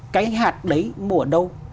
cái hạt đấy mua ở đâu